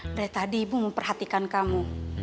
dari tadi ibu memperhatikan kamu